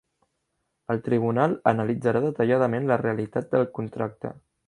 El tribunal analitzarà detalladament la realitat del contracte.